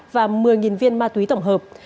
và một mươi viên ma túy tổng hợp